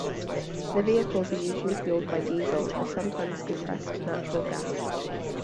The vehicles are usually fueled by diesel, or sometimes compressed natural gas.